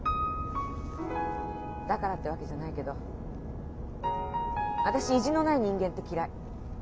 だからってわけじゃないけど私意地のない人間って嫌い。